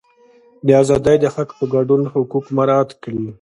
د ازادۍ د حق په ګډون حقوق مراعات کړي.